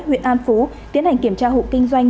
huyện an phú tiến hành kiểm tra hộ kinh doanh